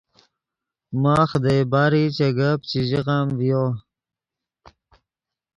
ماخ دئے باری چے گپ چے ژیغم ڤیو